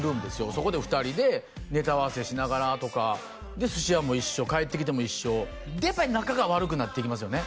そこで２人でネタ合わせしながらとかで寿司屋も一緒帰ってきても一緒でやっぱり仲が悪くなっていきますよね